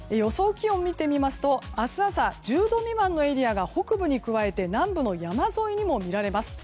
気温を見てみますと明日朝１０度未満のエリアが北部に加えて南部の山沿いにも見られます。